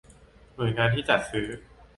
หน่วยงานที่จัดซื้อ